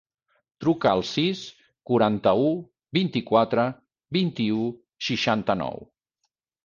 Truca al sis, quaranta-u, vint-i-quatre, vint-i-u, seixanta-nou.